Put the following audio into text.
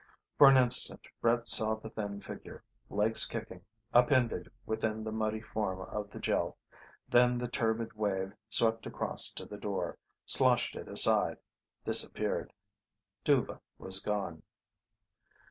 For an instant Brett saw the thin figure, legs kicking, upended within the muddy form of the Gel. Then the turbid wave swept across to the door, sloshed it aside, disappeared. Dhuva was gone.